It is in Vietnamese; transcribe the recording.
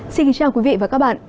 xin chào quý vị và các bạn